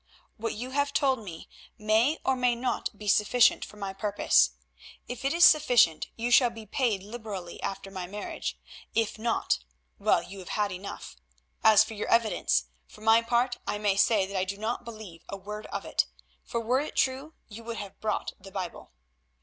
What you have told me may or may not be sufficient for my purpose. If it is sufficient you shall be paid liberally after my marriage; if not—well, you have had enough. As for your evidence, for my part I may say that I do not believe a word of it, for were it true you would have brought the Bible."